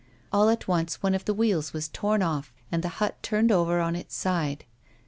All at once one of the wheels was torn off, and the hut turned over on its side.